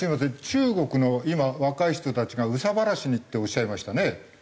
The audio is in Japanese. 中国の今若い人たちが「憂さ晴らしに」っておっしゃいましたね。